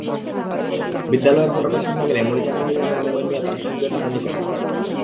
বিদ্যালয়ের ফটকের সামনে গেলে মরিচাকান্দি গ্রামের মোমেন মিয়া তার শ্লীলতাহানি করেন।